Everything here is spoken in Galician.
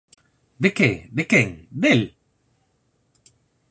¿De que, de quen, del?